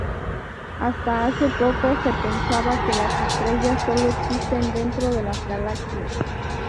Hasta hace poco, se pensaba que las estrellas sólo existen dentro de las galaxias.